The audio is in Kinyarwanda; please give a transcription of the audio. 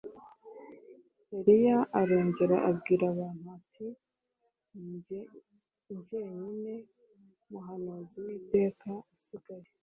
Eliya arongera abwira abantu ati “Ni jye jyenyine muhanuzi w’Uwiteka usigaye